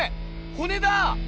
骨だ！